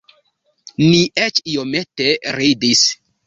Ni eĉ iomete ridis.